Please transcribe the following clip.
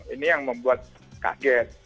ini yang membuat kaget